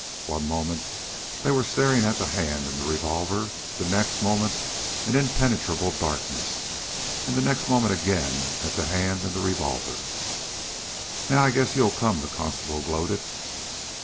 One moment they were staring at the hand and revolver, the next moment at impenetrable darkness, and the next moment again at the hand and revolver. "Now, I guess you'll come," the constable gloated.